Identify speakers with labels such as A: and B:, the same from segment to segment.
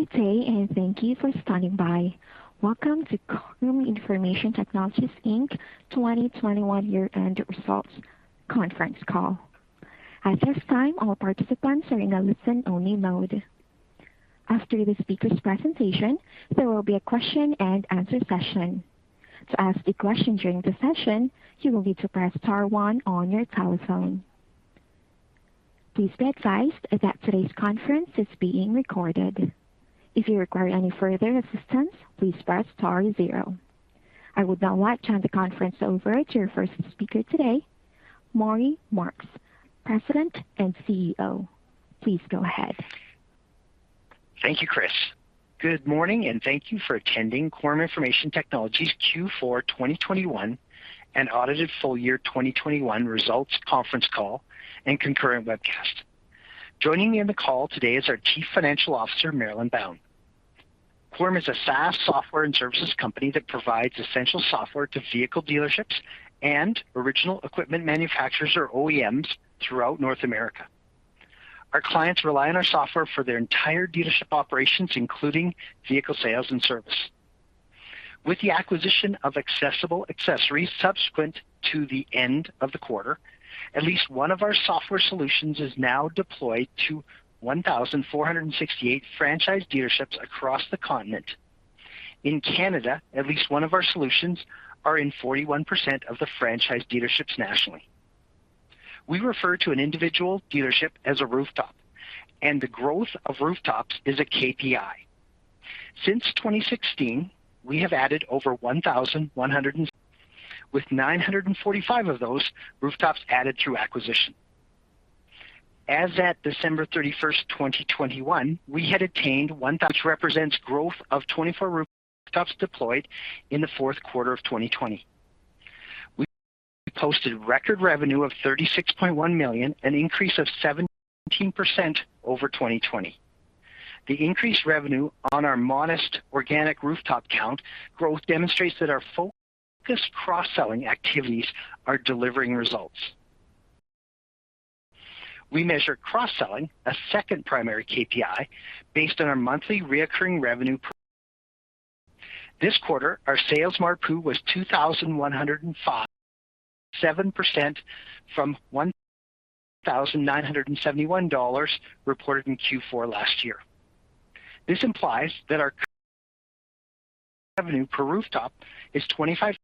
A: Good day, and thank you for standing by. Welcome to Quorum Information Technologies Inc. 2021 year-end results conference call. At this time, all participants are in a listen-only mode. After the speakers' presentation, there will be a question-and-answer session. To ask a question during the session, you will need to press star one on your telephone. Please be advised that today's conference is being recorded. If you require any further assistance, please press star zero. I would now like to turn the conference over to your first speaker today, Maury Marks, President and CEO. Please go ahead.
B: Thank you, Chris. Good morning, and thank you for attending Quorum Information Technologies Q4 2021 and audited full year 2021 results conference call and concurrent webcast. Joining me on the call today is our Chief Financial Officer, Marilyn Bown. Quorum is a SaaS software and services company that provides essential software to vehicle dealerships and original equipment manufacturers or OEMs throughout North America. Our clients rely on our software for their entire dealership operations, including vehicle sales and service. With the acquisition of Accessible Accessories subsequent to the end of the quarter, at least one of our software solutions is now deployed to 1,468 franchise dealerships across the continent. In Canada, at least one of our solutions are in 41% of the franchise dealerships nationally. We refer to an individual dealership as a rooftop, and the growth of rooftops is a KPI. Since 2016, we have added over 1,100, with 945 of those rooftops added through acquisition. As at December 31, 2021, we had attained 1,000, which represents growth of 24 rooftops deployed in the fourth quarter of 2020. We posted record revenue of 36.1 million, an increase of 17% over 2020. The increased revenue on our modest organic rooftop count growth demonstrates that our focused cross-selling activities are delivering results. We measure cross-selling, a second primary KPI, based on our monthly recurring revenue. This quarter, our sales ARPU was 2,105, 7% from 1,971 dollars reported in Q4 last year. This implies that our revenue per rooftop is 25.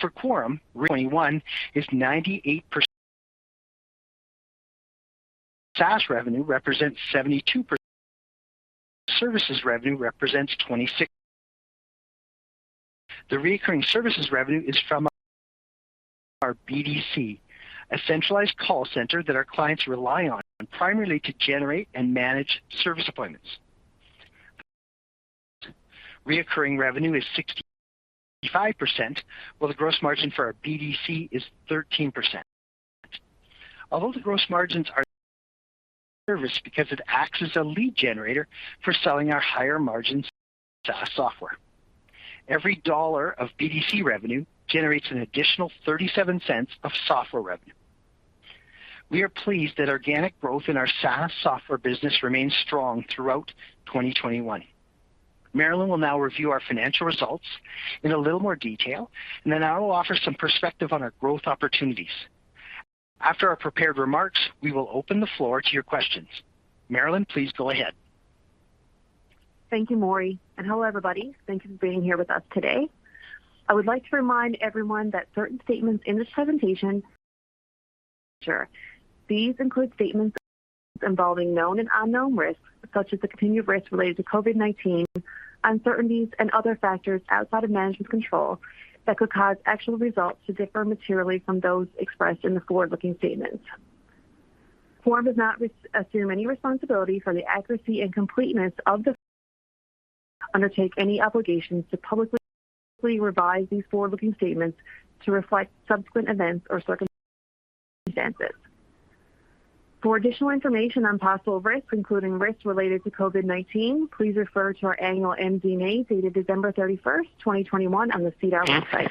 B: For Quorum, 21 is 98%. SaaS revenue represents 72%. Services revenue represents 26%. The recurring services revenue is from our BDC, a centralized call center that our clients rely on primarily to generate and manage service appointments. Recurring revenue is 65%, while the gross margin for our BDC is 13%. Although the gross margins are lower because it acts as a lead generator for selling our higher margins SaaS software. Every dollar of BDC revenue generates an additional 37 cents of software revenue. We are pleased that organic growth in our SaaS software business remains strong throughout 2021. Marilyn will now review our financial results in a little more detail, and then I will offer some perspective on our growth opportunities. After our prepared remarks, we will open the floor to your questions. Marilyn, please go ahead.
C: Thank you, Maury, and hello, everybody. Thank you for being here with us today. I would like to remind everyone that certain statements in this presentation are forward-looking. These include statements involving known and unknown risks, such as the continued risk related to COVID-19, uncertainties and other factors outside of management's control that could cause actual results to differ materially from those expressed in the forward-looking statements. Quorum does not assume any responsibility for the accuracy and completeness of these forward-looking statements and does not undertake any obligations to publicly revise these forward-looking statements to reflect subsequent events or circumstances. For additional information on possible risks, including risks related to COVID-19, please refer to our annual MD&A dated December 31, 2021 on the SEDAR website.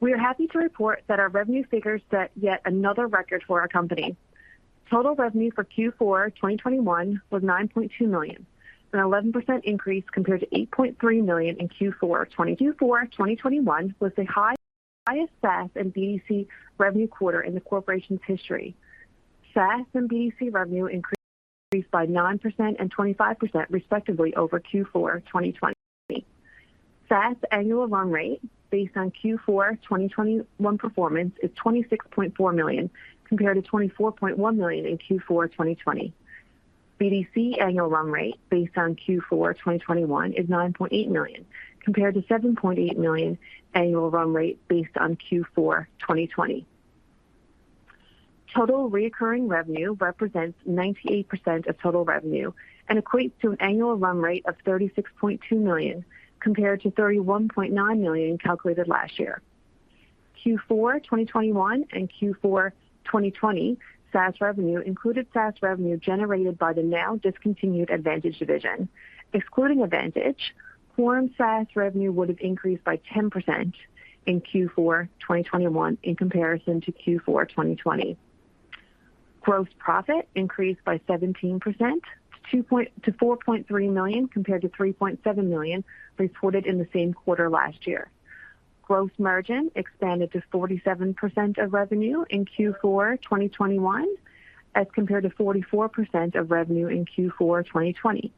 C: We are happy to report that our revenue figures set yet another record for our company. Total revenue for Q4 2021 was 9.2 million, an 11% increase compared to 8.3 million in Q4 2020. Q4 2021 was the highest SaaS and BDC revenue quarter in the corporation's history. SaaS and BDC revenue increased by 9% and 25%, respectively, over Q4 2020. SaaS annual run rate based on Q4 2021 performance is 26.4 million, compared to 24.1 million in Q4 2020. BDC annual run rate based on Q4 2021 is 9.8 million, compared to 7.8 million annual run rate based on Q4 2020. Total recurring revenue represents 98% of total revenue and equates to an annual run rate of 36.2 million, compared to 31.9 million calculated last year. Q4 2021 and Q4 2020 SaaS revenue included SaaS revenue generated by the now discontinued Advantage division. Excluding Advantage, Quorum SaaS revenue would have increased by 10% in Q4 2021 in comparison to Q4 2020. Gross profit increased by 17% to 4.3 million compared to 3.7 million reported in the same quarter last year. Gross margin expanded to 47% of revenue in Q4 2021, as compared to 44% of revenue in Q4 2020.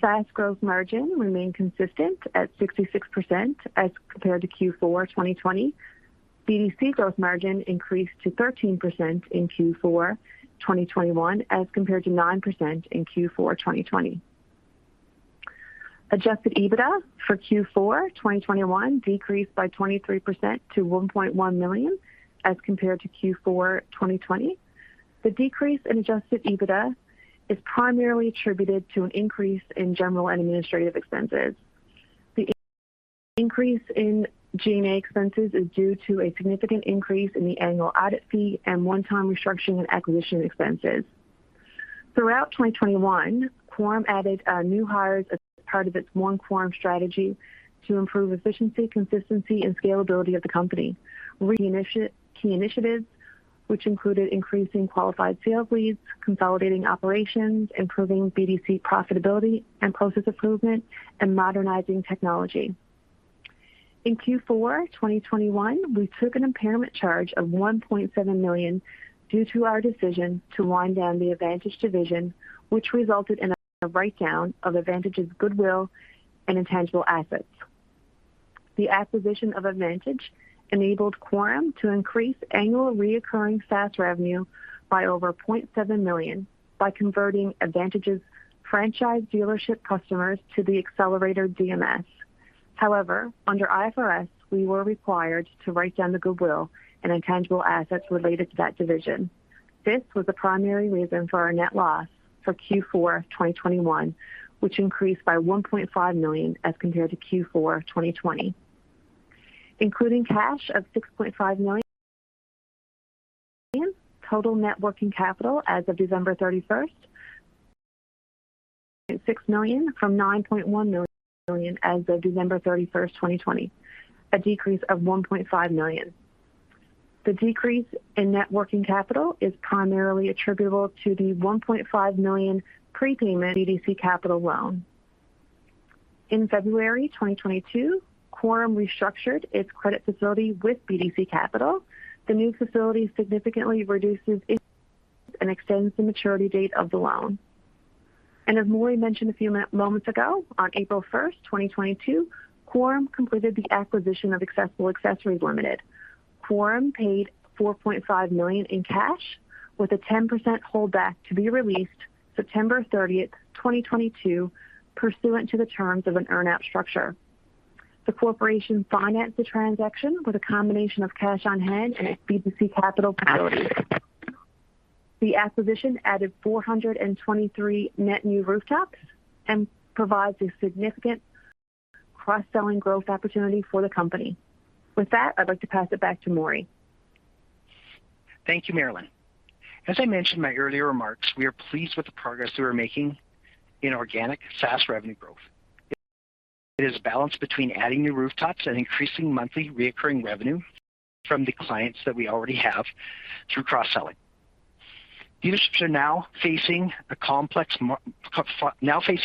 C: SaaS gross margin remained consistent at 66% as compared to Q4 2020. BDC gross margin increased to 13% in Q4 2021, as compared to 9% in Q4 2020. Adjusted EBITDA for Q4 2021 decreased by 23% to 1.1 million as compared to Q4 2020. The decrease in adjusted EBITDA is primarily attributed to an increase in general and administrative expenses. The increase in G&A expenses is due to a significant increase in the annual audit fee and one-time restructuring and acquisition expenses. Throughout 2021, Quorum added new hires as part of its One Quorum strategy to improve efficiency, consistency and scalability of the company, key initiatives, which included increasing qualified sales leads, consolidating operations, improving BDC profitability and process improvement, and modernizing technology. In Q4 2021, we took an impairment charge of 1.7 million due to our decision to wind down the Advantage division, which resulted in a write-down of Advantage's goodwill and intangible assets. The acquisition of Advantage enabled Quorum to increase annual recurring SaaS revenue by over 0.7 million by converting Advantage's franchise dealership customers to the XSellerator DMS. However, under IFRS, we were required to write down the goodwill and intangible assets related to that division. This was the primary reason for our net loss for Q4 2021, which increased by 1.5 million as compared to Q4 2020. Including cash of 6.5 million, total net working capital as of December 31, 2021 was 6 million down from 9.1 million as of December 31, 2020, a decrease of 1.5 million. The decrease in net working capital is primarily attributable to the 1.5 million prepayment of the BDC Capital loan. In February 2022, Quorum restructured its credit facility with BDC Capital. The new facility significantly reduces interest and extends the maturity date of the loan. As Maury mentioned a few moments ago, on April 1, 2022, Quorum completed the acquisition of Accessible Accessories Ltd. Quorum paid 4.5 million in cash with a 10% holdback to be released September 30, 2022, pursuant to the terms of an earn out structure. The corporation financed the transaction with a combination of cash on hand and a BDC Capital facility. The acquisition added 423 net new rooftops and provides a significant cross-selling growth opportunity for the company. With that, I'd like to pass it back to Maury.
B: Thank you, Marilyn. As I mentioned in my earlier remarks, we are pleased with the progress we are making in organic SaaS revenue growth. It is a balance between adding new rooftops and increasing monthly recurring revenue from the clients that we already have through cross-selling. Dealerships are now facing complex market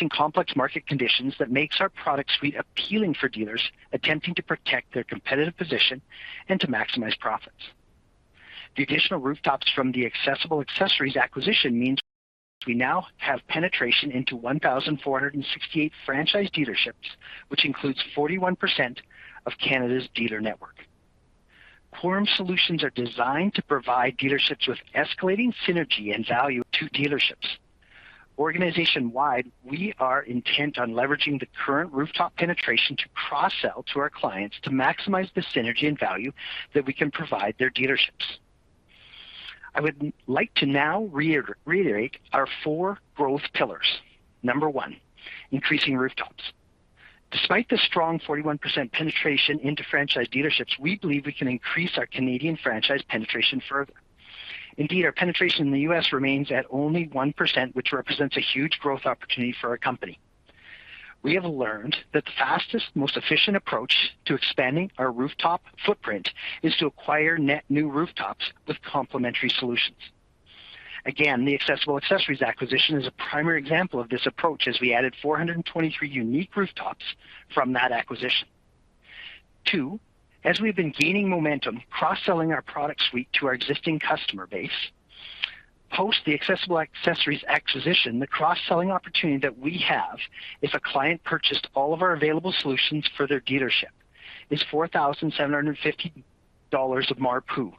B: conditions that makes our product suite appealing for dealers attempting to protect their competitive position and to maximize profits. The additional rooftops from the Accessible Accessories acquisition means we now have penetration into 1,468 franchise dealerships, which includes 41% of Canada's dealer network. Quorum solutions are designed to provide dealerships with escalating synergy and value to dealerships. Organization-wide, we are intent on leveraging the current rooftop penetration to cross-sell to our clients to maximize the synergy and value that we can provide their dealerships. I would like to now reiterate our 4 growth pillars. Number one, increasing rooftops. Despite the strong 41% penetration into franchise dealerships, we believe we can increase our Canadian franchise penetration further. Indeed, our penetration in the U.S. remains at only 1%, which represents a huge growth opportunity for our company. We have learned that the fastest, most efficient approach to expanding our rooftop footprint is to acquire net new rooftops with complementary solutions. Again, the Accessible Accessories acquisition is a primary example of this approach, as we added 423 unique rooftops from that acquisition. Two, as we've been gaining momentum cross-selling our product suite to our existing customer base, post the Accessible Accessories acquisition, the cross-selling opportunity that we have if a client purchased all of our available solutions for their dealership is 4,750 dollars of MARPU,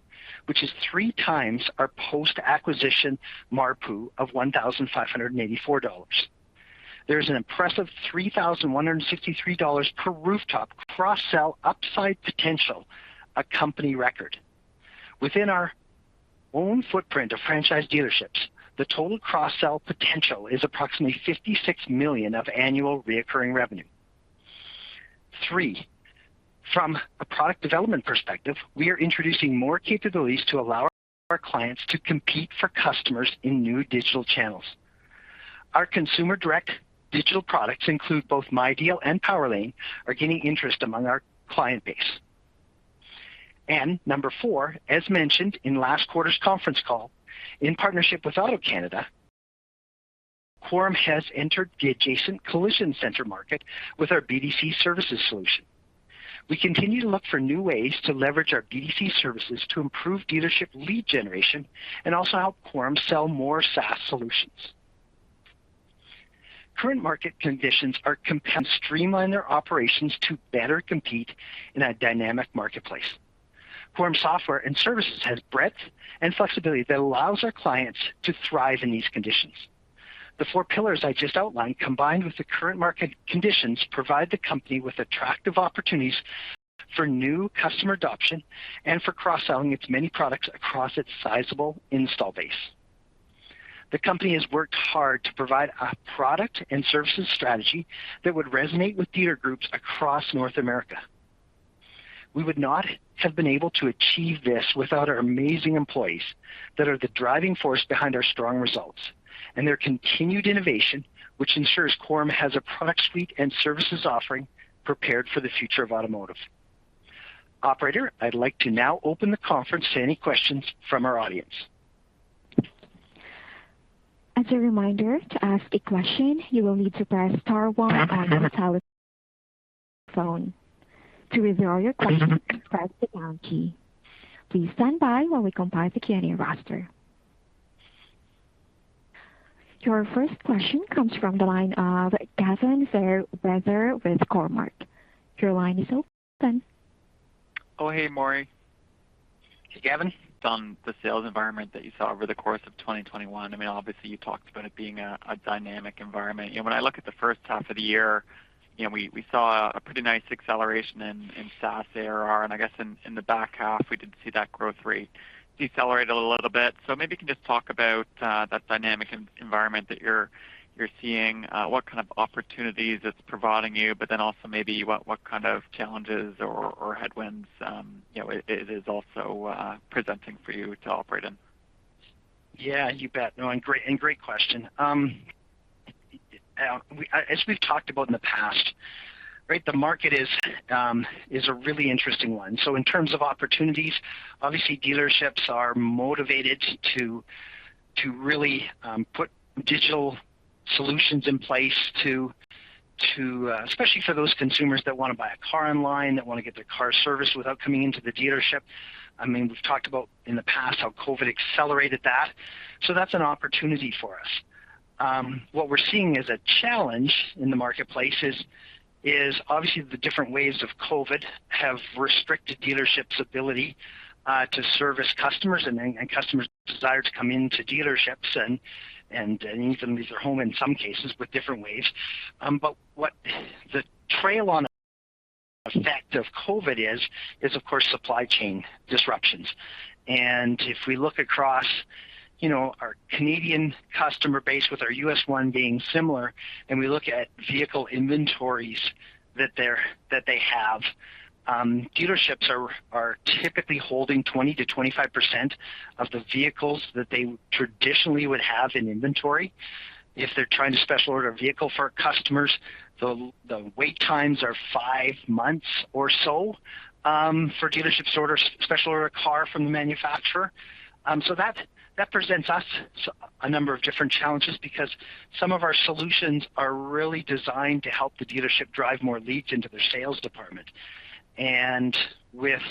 B: which is three times our post-acquisition MARPU of 1,584 dollars. There's an impressive 3,163 dollars per rooftop cross-sell upside potential, a company record. Within our own footprint of franchise dealerships, the total cross-sell potential is approximately 56 million of annual recurring revenue. Three, from a product development perspective, we are introducing more capabilities to allow our clients to compete for customers in new digital channels. Our consumer direct digital products include both MyDeal and PowerLane are gaining interest among our client base. Number four, as mentioned in last quarter's conference call, in partnership with AutoCanada, Quorum has entered the adjacent collision center market with our BDC services solution. We continue to look for new ways to leverage our BDC services to improve dealership lead generation and also help Quorum sell more SaaS solutions. Current market conditions are compelling to streamline their operations to better compete in a dynamic marketplace. Quorum software and services has breadth and flexibility that allows our clients to thrive in these conditions. The four pillars I just outlined, combined with the current market conditions, provide the company with attractive opportunities for new customer adoption and for cross-selling its many products across its sizable install base. The company has worked hard to provide a product and services strategy that would resonate with dealer groups across North America. We would not have been able to achieve this without our amazing employees that are the driving force behind our strong results and their continued innovation, which ensures Quorum has a product suite and services offering prepared for the future of automotive. Operator, I'd like to now open the conference to any questions from our audience.
A: As a reminder, to ask a question, you will need to press star one on your telephone. To withdraw your question, press the pound key. Please stand by while we compile the Q&A roster. Your first question comes from the line of Gavin Fairweather with Cormark. Your line is open.
D: Oh, hey, Maury. Gavin, on the sales environment that you saw over the course of 2021, obviously, you talked about it being a dynamic environment. When I look at the first half of the yea we saw a pretty nice acceleration in SaaS ARR, and I guess in the back half, we did see that growth rate decelerate a little bit. Maybe you can just talk about that dynamic environment that you're seeing, what kind of opportunities it's providing you, but then also maybe what kind of challenges or headwinds it is also presenting for you to operate in.
B: Yeah, you bet. Great question. As we've talked about in the past, right, the market is a really interesting one. In terms of opportunities, obviously dealerships are motivated to really put digital solutions in place to especially for those consumers that wanna buy a car online, that wanna get their car serviced without coming into the dealership. We've talked about in the past how COVID accelerated that. That's an opportunity for us. What we're seeing as a challenge in the marketplace is obviously the different waves of COVID have restricted dealerships' ability to service customers and customers desire to come into dealerships and even leave their home in some cases with different waves. What the trailing effect of COVID is of course supply chain disruptions. If we look across our Canadian customer base with our U.S. one being similar, and we look at vehicle inventories that they have, dealerships are typically holding 20%-25% of the vehicles that they traditionally would have in inventory. If they're trying to special order a vehicle for customers, the wait times are 5 months or so for dealerships to special order a car from the manufacturer. That presents us a number of different challenges because some of our solutions are really designed to help the dealership drive more leads into their sales department. With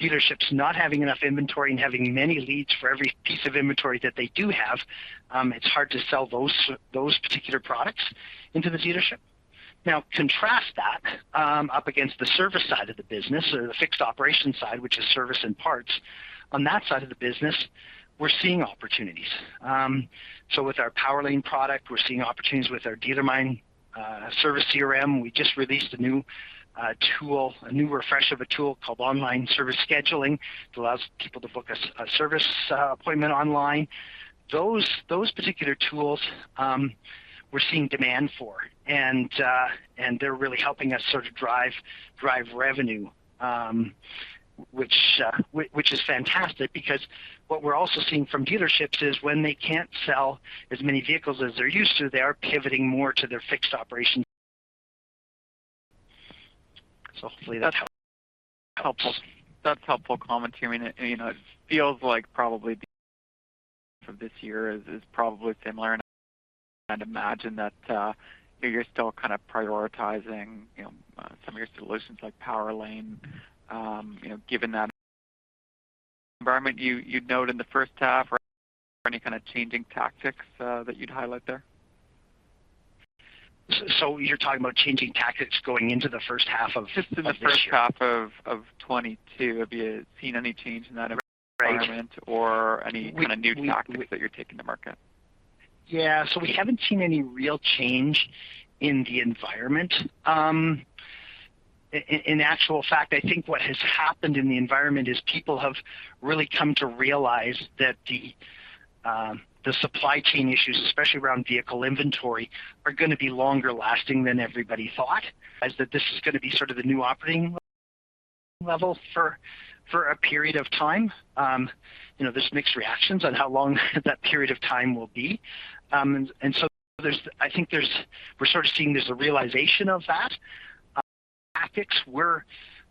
B: dealerships not having enough inventory and having many leads for every piece of inventory that they do have, it's hard to sell those particular products into the dealership. Now contrast that up against the service side of the business or the fixed operations side, which is service and parts. On that side of the business, we're seeing opportunities. With our PowerLane product, we're seeing opportunities with our DealerMine service CRM. We just released a new tool, a new refresh of a tool called Online Service Scheduling. It allows people to book a service appointment online. Those particular tools, we're seeing demand for. They're really helping us sort of drive revenue, which is fantastic because what we're also seeing from dealerships is when they can't sell as many vehicles as they're used to, they are pivoting more to their fixed operations.
D: Hopefully that's helpful. That's helpful commentary. It feels like probably the rest of this year is probably similar. I'd imagine that you're still kind of prioritizing, some of your solutions like PowerLane, given that environment you noted in the first half or any kinda changing tactics that you'd highlight there.
B: You're talking about changing tactics going into the first half of this year.
D: Just in the first half of 2022. Have you seen any change in that environment or any kinda new tactics that you're taking to market?
B: Yeah. We haven't seen any real change in the environment. In actual fact, I think what has happened in the environment is people have really come to realize that the supply chain issues, especially around vehicle inventory, are gonna be longer lasting than everybody thought, and that this is gonna be sort of the new operating level for a period of time. You know, there's mixed reactions on how long that period of time will be. We're sort of seeing a realization of that, so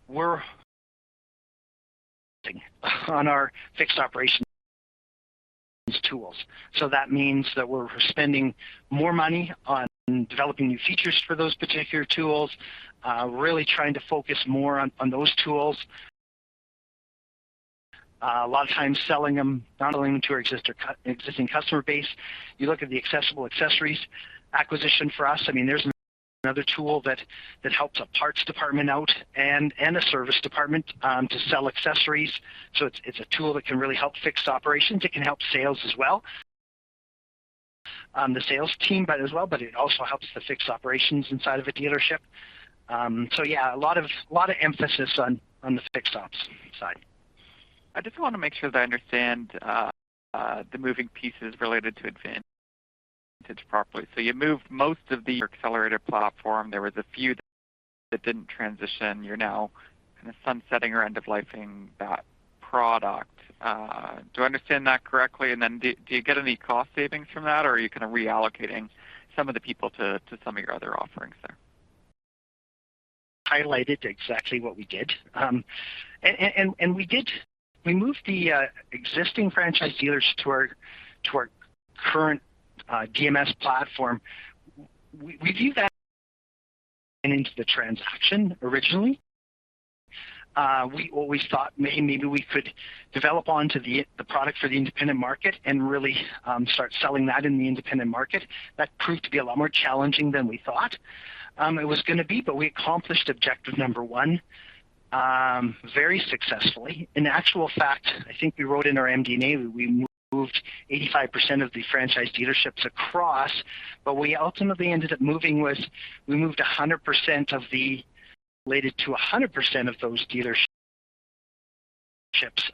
B: we're on our fixed operations tools. That means that we're spending more money on developing new features for those particular tools, really trying to focus more on those tools. A lot of times selling them, not only to our existing customer base. You look at the Accessible Accessories acquisition for us. There's another tool that helps a parts department out and a service department to sell accessories. It's a tool that can really help fixed operations. It can help sales as well, the sales team, but as well, it also helps the fixed operations inside of a dealership. Yeah, a lot of emphasis on the fixed ops side.
D: I just wanna make sure that I understand the moving pieces related to Advantage properly. You moved most of the XSellerator platform. There was a few that didn't transition. You're now kind of sunsetting or end of life-ing that product. Do I understand that correctly? Do you get any cost savings from that or are you kind of reallocating some of the people to some of your other offerings there?
B: Highlighted exactly what we did. We moved the existing franchise dealers to our current DMS platform. We baked that into the transaction originally. We always thought maybe we could develop onto the product for the independent market and really start selling that in the independent market. That proved to be a lot more challenging than we thought it was gonna be. We accomplished objective number one very successfully. In actual fact, I think we wrote in our MD&A, we moved 85% of the franchise dealerships across, but we ultimately ended up moving related to 100% of those dealerships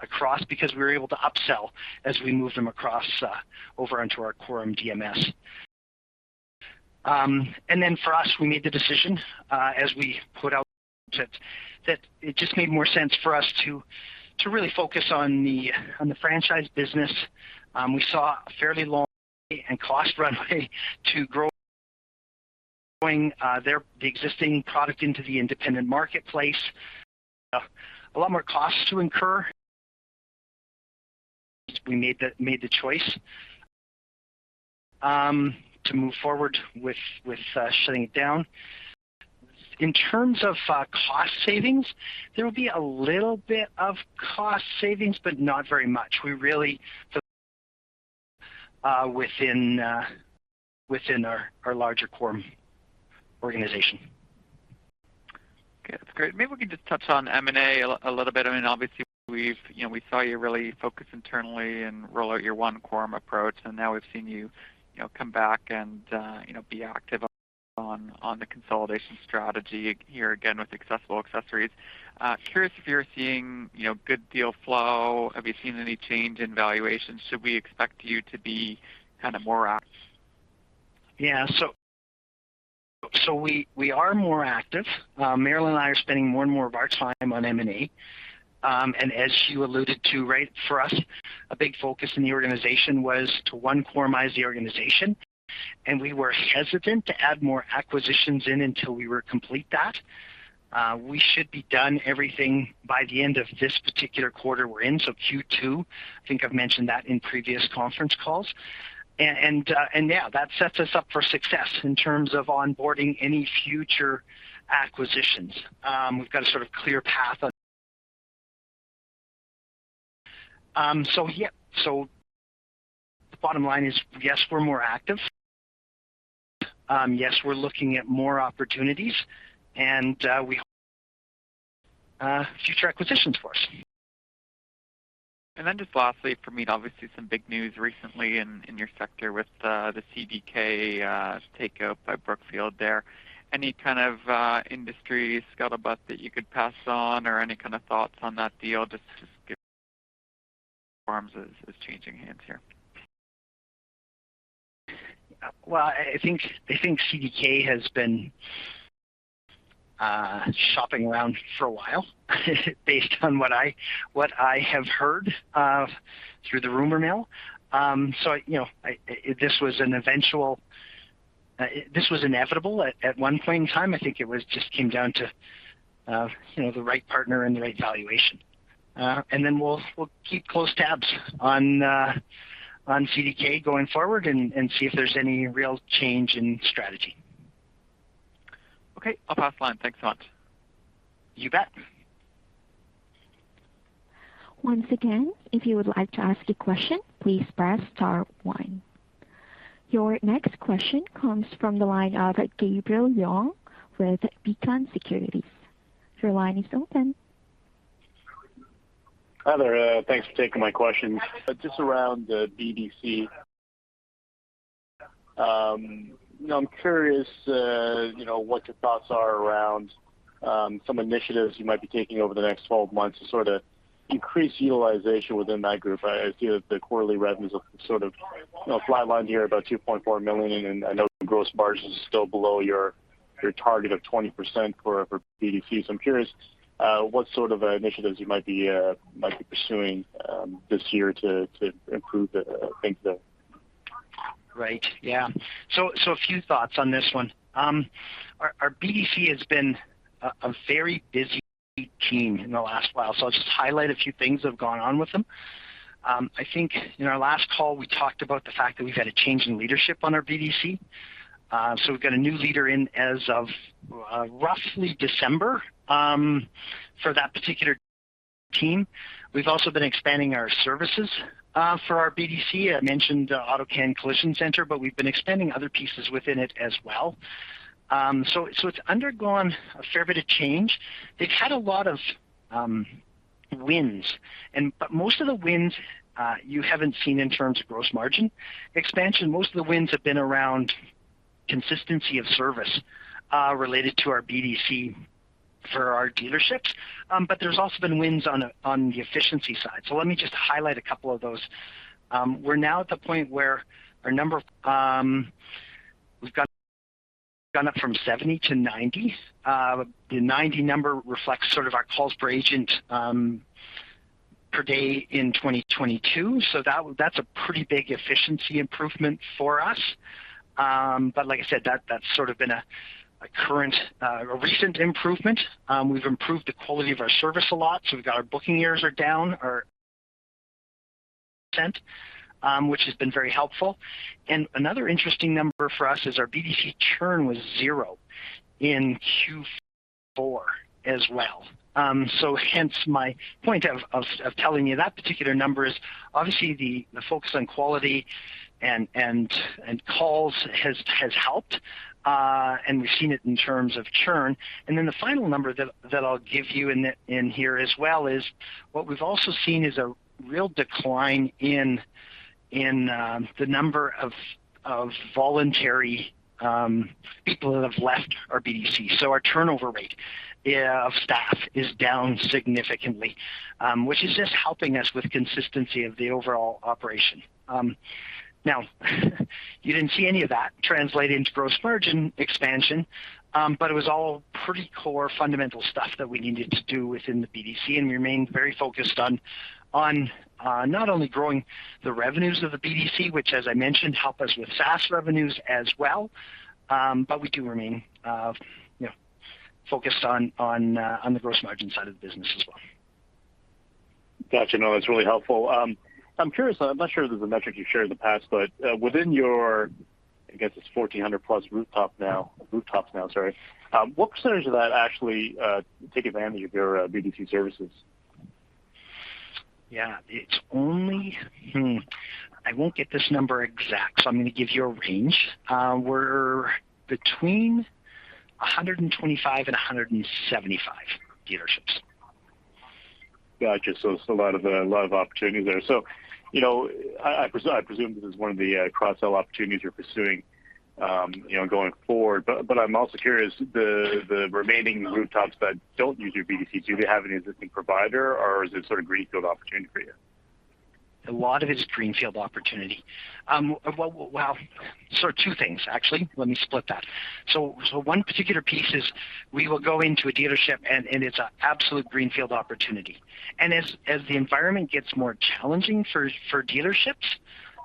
B: across because we were able to upsell as we moved them across over onto our Quorum DMS. For us, we made the decision as we put out that it just made more sense for us to really focus on the franchise business. We saw a fairly long and costly runway to growing the existing product into the independent marketplace. A lot more costs to incur. We made the choice to move forward with shutting it down. In terms of cost savings, there will be a little bit of cost savings, but not very much. We really within our larger Quorum organization.
D: Okay. That's great. Maybe we can just touch on M&A a little bit. I mean, obviously we've seen you really focus internally and roll out your One Quorum approach, and now we've seen you come back and be active on the consolidation strategy here again with Accessible Accessories. Curious if you're seeing good deal flow. Have you seen any change in valuations? Should we expect you to be kind of more ac-
B: Yeah, we are more active. Marilyn and I are spending more and more of our time on M&A. As you alluded to, a big focus in the organization was to One Quorumize the organization, and we were hesitant to add more acquisitions until we completed that. We should be done everything by the end of this particular quarter we're in, Q2. I think I've mentioned that in previous conference calls. Yeah, that sets us up for success in terms of onboarding any future acquisitions. We've got a sort of clear path. Yeah. The bottom line is, yes, we're more active. Yes, we're looking at more opportunities. Future acquisitions for us.
D: Just lastly for me, obviously some big news recently in your sector with the CDK takeout by Brookfield there. Any kind of industry scuttlebutt that you could pass on or any kind of thoughts on that deal just as Quorum's is changing hands here?
B: Well, I think CDK has been shopping around for a while, based on what I have heard through the rumor mill. You know, this was inevitable at one point in time. I think it was just came down to you know, the right partner and the right valuation. Then we'll keep close tabs on CDK going forward and see if there's any real change in strategy.
D: Okay. I'll pass the line. Thanks a lot.
B: You bet.
A: Once again, if you would like to ask a question, please press star one. Your next question comes from the line of Gabriel Leung with Beacon Securities. Your line is open.
E: Hi there. Thanks for taking my question. Just around the BDC. You know, I'm curious, you know, what your thoughts are around, some initiatives you might be taking over the next 12 months to sort of increase utilization within that group. I see that the quarterly revenues have sort of flatlined here about 2.4 million, and I know the gross margin is still below your target of 20% for BDCs. I'm curious, what sort of initiatives you might be pursuing, this year to improve the, I think the-
B: Right. Yeah. A few thoughts on this one. Our BDC has been a very busy team in the last while. I'll just highlight a few things that have gone on with them. In our last call, we talked about the fact that we've had a change in leadership on our BDC. We've got a new leader in as of roughly December for that particular team. We've also been expanding our services for our BDC. I mentioned AutoCanada Collision Centres, but we've been expanding other pieces within it as well. It's undergone a fair bit of change. They've had a lot of wins, but most of the wins you haven't seen in terms of gross margin expansion. Most of the wins have been around consistency of service related to our BDC for our dealerships. There's also been wins on the efficiency side. Let me just highlight a couple of those. We're now at the point where our number, we've gone up from 70 to 90. The 90 number reflects sort of our calls per agent per day in 2022. That's a pretty big efficiency improvement for us. Like I said, that's sort of been a recent improvement. We've improved the quality of our service a lot. We've got our booking errors are down 4%, which has been very helpful. Another interesting number for us is our BDC churn was 0 in Q4 as well. Hence my point of telling you that particular number is obviously the focus on quality and calls has helped, and we've seen it in terms of churn. The final number that I'll give you in here as well is what we've also seen is a real decline in the number of voluntary people that have left our BDC. Our turnover rate of staff is down significantly, which is just helping us with consistency of the overall operation. Now you didn't see any of that translate into gross margin expansion, but it was all pretty core fundamental stuff that we needed to do within the BDC, and we remain very focused on not only growing the revenues of the BDC, which as I mentioned, help us with SaaS revenues as well, but we do remain, you know, focused on the gross margin side of the business as well.
E: Got you. No, that's really helpful. I'm curious. I'm not sure if there's a metric you've shared in the past, but within your, I guess it's 1,400+ rooftops, what percentage of that actually take advantage of your BDC services?
B: I won't get this number exact, so I'm gonna give you a range. We're between 125 and 175 dealerships.
E: Got you. It's a lot of opportunity there. I presume this is one of the cross-sell opportunities you're pursuing going forward. I'm also curious, the remaining rooftops that don't use your BDC, do they have an existing provider or is it sort of greenfield opportunity for you?
B: A lot of it is greenfield opportunity. Well, sort of two things actually. Let me split that. One particular piece is we will go into a dealership and it's an absolute greenfield opportunity. As the environment gets more challenging for dealerships,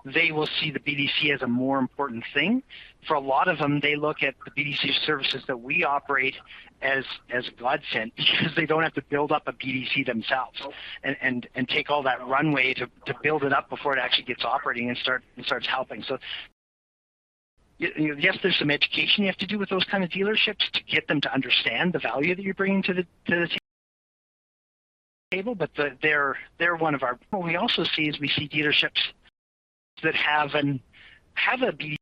B: they will see the BDC as a more important thing. For a lot of them, they look at the BDC services that we operate as a godsend because they don't have to build up a BDC themselves and take all that runway to build it up before it actually gets operating and starts helping. Yes, there's some education you have to do with those kind of dealerships to get them to understand the value that you're bringing to the table, but they're one of our. What we also see is we see dealerships that have a BDC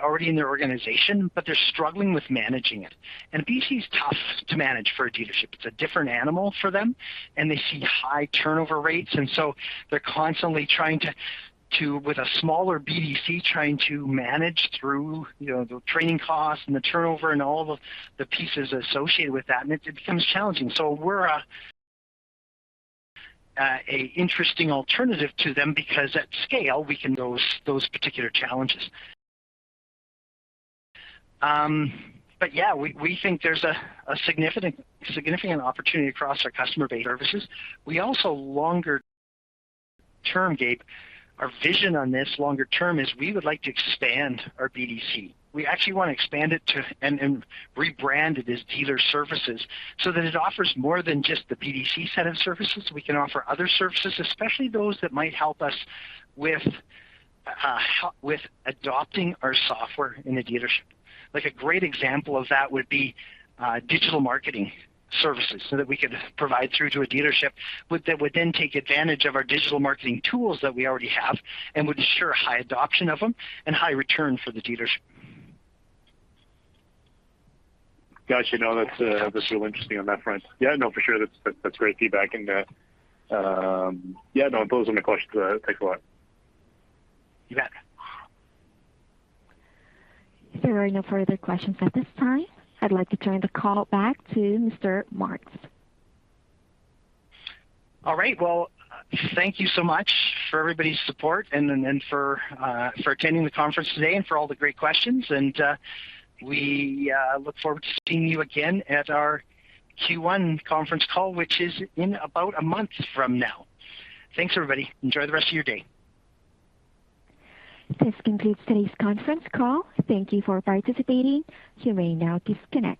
B: already in their organization, but they're struggling with managing it. A BDC is tough to manage for a dealership. It's a different animal for them, and they see high turnover rates, and so they're constantly trying to with a smaller BDC trying to manage through the training costs and the turnover and all the pieces associated with that, and it becomes challenging. We're an interesting alternative to them because at scale, we can those particular challenges. Yeah, we think there's a significant opportunity across our customer base services. We also longer term, Gabe, our vision on this longer term is we would like to expand our BDC. We actually wanna expand it to and rebrand it as dealer services so that it offers more than just the BDC set of services. We can offer other services, especially those that might help us with adopting our software in a dealership. Like, a great example of that would be digital marketing services so that we could provide through to a dealership that would then take advantage of our digital marketing tools that we already have and would ensure high adoption of them and high return for the dealership.
E: Got you. No, that's real interesting on that front. Yeah, no, for sure. That's great feedback. Yeah, no, those are my questions. Thanks a lot.
B: You bet.
A: There are no further questions at this time. I'd like to turn the call back to Mr. Marks.
B: All right. Well, thank you so much for everybody's support and for attending the conference today and for all the great questions. We look forward to seeing you again at our Q1 conference call, which is in about a month from now. Thanks, everybody. Enjoy the rest of your day.
A: This concludes today's conference call. Thank you for participating. You may now disconnect.